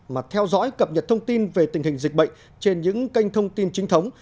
mà theo dõi cập nhật thông tin về tình hình dịch bệnh trên những kênh thông tin chính thống